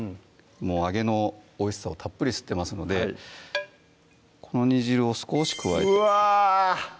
もう揚げのおいしさをたっぷり吸ってますのでこの煮汁を少し加えてうわ！